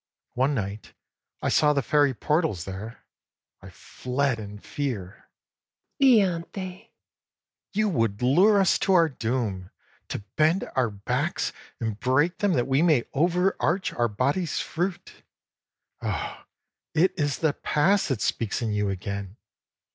One night I saw the faery portals there. I fled in fear. SHE: lanthe ! HE: You would lure Us to our doom, to bond our backs and break them That we may overarch our bodies' fruit. Oh it is the past that speaks in you again.